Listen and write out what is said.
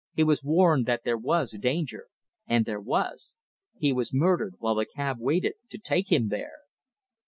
He was warned that there was danger. And there was! He was murdered while the cab waited to take him there!"